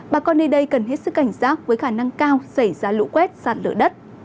bà con nơi đây cần hết sức cảnh giác với khả năng cao xảy ra lũ quét sạt lở đất